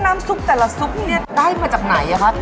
น้ำซุปแต่ละซุปนี้ได้มาจากไหนครับ